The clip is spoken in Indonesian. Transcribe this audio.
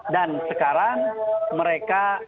dan sekarang mereka